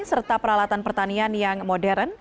serta peralatan pertanian yang modern